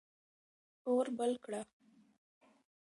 اور بل کړه.